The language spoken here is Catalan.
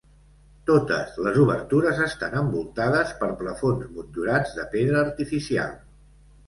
Totes les obertures estan envoltades per plafons motllurats de pedra artificial.